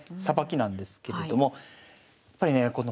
さばきなんですけれどもやっぱりねえ